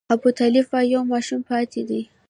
ابوطالب وايي یو ماشوم پاتې دی.